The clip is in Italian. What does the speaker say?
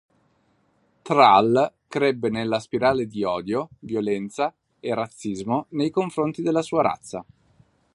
Thrall crebbe nella spirale di odio, violenza e razzismo nei confronti della sua razza.